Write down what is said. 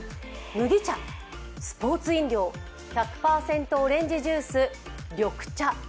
麦茶、スポーツ飲料、１００％オレンジジュース、緑茶。